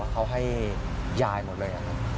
เขาให้ยายหมดเลยอย่างไร